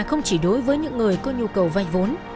không chỉ đối với những người có nhu cầu vay vốn